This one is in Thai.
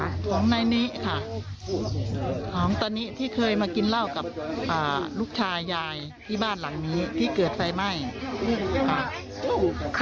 ของนายนิค่ะของตอนนี้ที่เคยมากินเหล้ากับอ่าลูกชายยายที่บ้านหลังนี้ที่เกิดไฟไหม้ค่ะ